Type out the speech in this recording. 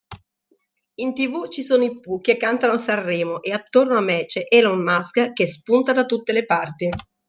In tv ci sono i pooh che cantano a Sanremo e attorno a me c'è Elon Musk che spunta da tutte le parti.